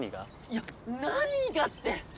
いや何がって。